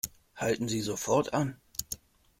Halten Sie sofort an!